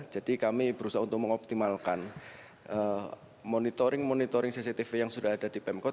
jadi kami berusaha untuk mengoptimalkan monitoring monitoring cctv yang sudah ada di pemkot